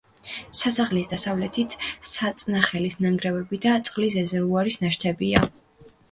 სასახლის დასავლეთით საწნახლის ნანგრევები და წყლის რეზერვუარის ნაშთებია.